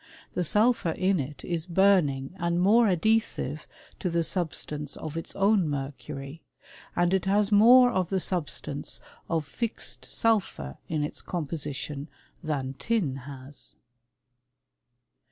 The sulphur in it is burning and more adhesive to the substance of its own mercury, and it has more of the substance of fixed sulphur in its composition than tin has.